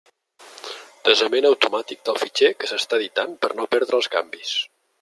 Desament automàtic del fitxer que s'està editant per no perdre els canvis.